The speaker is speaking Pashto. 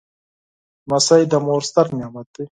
لمسی د مور ستر نعمت دی.